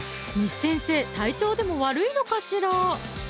簾先生体調でも悪いのかしら